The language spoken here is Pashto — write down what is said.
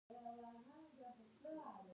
د تورغونډۍ ریل پټلۍ څه شوه؟